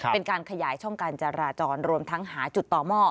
เป็นการขยายช่องการจราจรรวมทั้งหาจุดต่อหม้อ